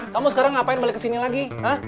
kamu sekarang ngapain balik kesini lagi